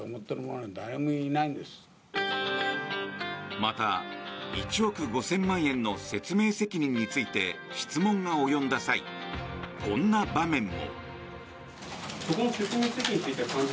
また、１億５０００万円の説明責任について質問が及んだ際こんな場面も。